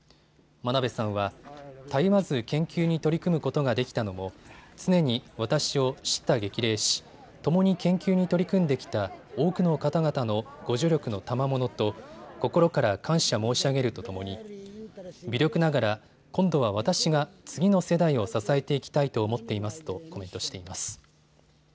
真鍋さんはたゆまず研究に取り組むことができたのも常に私をしった激励し共に研究に取り組んできた多くの方々のご助力のたまものと心から感謝申し上げるとともに微力ながら今度は私が次の世代を支えていきたいと思っていますとコメントしています。